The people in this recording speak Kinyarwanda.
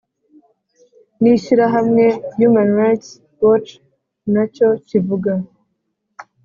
n'ishyirahamwe human rights watch na cyo kivuga